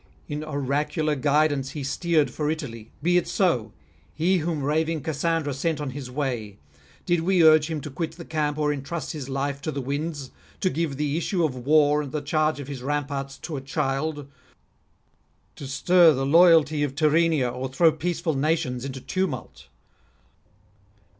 In oracular guidance he steered for Italy: be it so: he whom raving Cassandra sent on his way! Did we urge him to quit the camp or entrust his life to the winds? to give the issue of war and the charge of his ramparts to a child? to stir the loyalty of Tyrrhenia or throw peaceful nations into tumult?